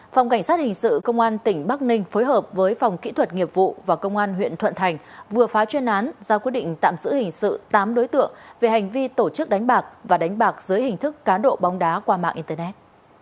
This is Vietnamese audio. phòng cảnh sát hình sự công an tỉnh bắc ninh phối hợp với phòng kỹ thuật nghiệp vụ và công an huyện thuận thành vừa phá chuyên án ra quyết định tạm giữ hình sự tám đối tượng về hành vi tổ chức đánh bạc và đánh bạc dưới hình thức cá độ bóng đá qua mạng internet